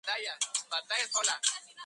Simón Tadeo Pacheco.